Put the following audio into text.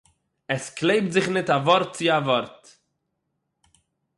עס קלעפּט זיך ניט אַ וואָרט צו אַ וואָרט.